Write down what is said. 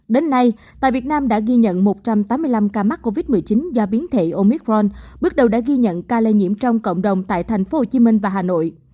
đến nay tại việt nam đã ghi nhận một trăm tám mươi năm ca mắc covid một mươi chín do biến thể omicron bước đầu đã ghi nhận ca lây nhiễm trong cộng đồng tại tp hcm và hà nội